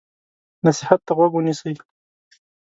نصیحت ته غوږ ونیسئ.